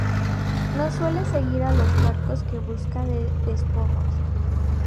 No suele seguir a los barcos en busca de despojos.